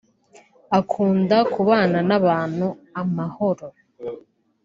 Akunda kubana n’abantu amahoro